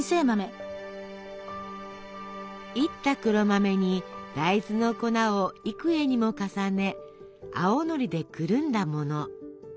いった黒豆に大豆の粉を幾重にも重ね青のりでくるんだもの。